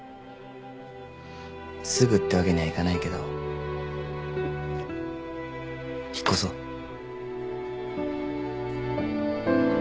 すぐってわけにはいかないけど引っ越そう。